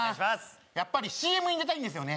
やっぱりＣＭに出たいんですよね